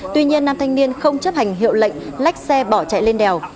tuy nhiên nam thanh niên không chấp hành hiệu lệnh lách xe bỏ chạy lên đèo